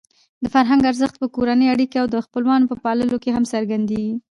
د فرهنګ ارزښت په کورنۍ اړیکو او د خپلوانو په پاللو کې هم څرګندېږي.